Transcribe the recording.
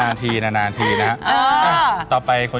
แม่บ้านประจันบัน